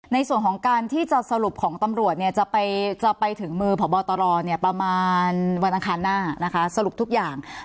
ในส่วนของการที่จะสรุปของตำรวจเนี่ยจะไปถึงมือพบตรประมาณวันอังคารหน้านะคะสรุปทุกอย่าง